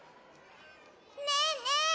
ねえねえ